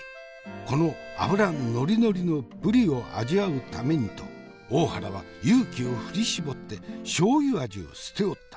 この脂ノリノリのぶりを味わうためにと大原は勇気を振り絞ってしょう油味を捨ておった。